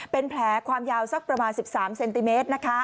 เป็นแผลความยาวสักประมาณ๑๓เซนติเมตร